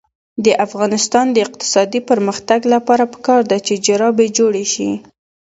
د افغانستان د اقتصادي پرمختګ لپاره پکار ده چې جرابې جوړې شي.